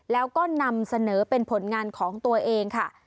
แล้วก็นำเสนอเป็นผลงานของตัวเองค่ะ